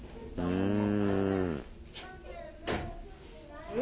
うん。